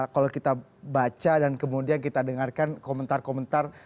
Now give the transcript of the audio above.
kalau kita baca dan kemudian kita dengarkan komentar komentar